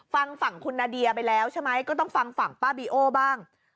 ฟังฝั่งคุณนาเดียไปแล้วใช่ไหมก็ต้องฟังฝั่งป้าบีโอบ้าง